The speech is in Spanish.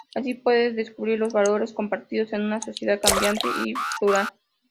Así se puede descubrir los valores compartidos en una sociedad cambiante y plural.